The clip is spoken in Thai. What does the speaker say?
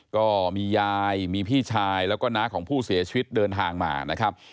ก็มียายมีพี่ชายแล้วก็น้าของผู้เสียชีวิตเดินทางมานะครับ